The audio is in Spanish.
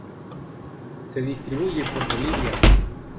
Se distribuye por Bolivia.